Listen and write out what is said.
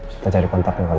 kita cari kontaknya pak